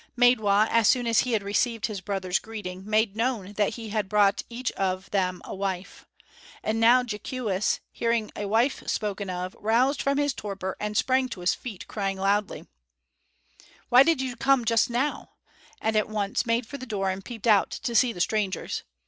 Maidwa, as soon as he had received his brother's greeting, made known that he had brought each of; them a wife. And now Jeekewis, hearing a wife spoken of, roused from his torpor and sprang to his feet, crying loudly: "Why, did you come just now?" and at once made for the door and peeped out to see the strangers.